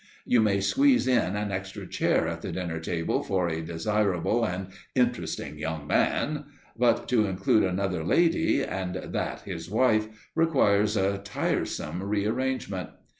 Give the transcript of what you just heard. You may squeeze in an extra chair at the dinner table for a desirable and "interesting young man," but to include another lady, and that his wife, requires a tiresome rearrangement.